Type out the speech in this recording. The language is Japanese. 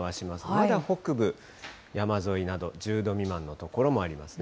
まだ北部、山沿いなど１０度未満の所もありますね。